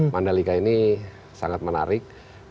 mandalika ini sangat menarik